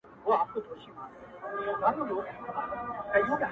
اوس د زلمیو هوسونو جنازه ووته٫